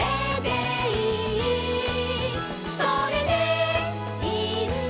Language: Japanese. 「それでいいんだ」